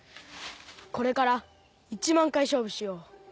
これから１万回勝負しよう。